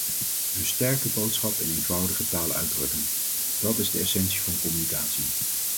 Een sterke boodschap in eenvoudige taal uitdrukken – dat is de essentie van communicatie.